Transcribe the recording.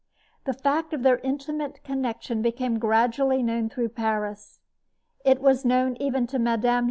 The fact of their intimate connection became gradually known through Paris. It was known even to Mme.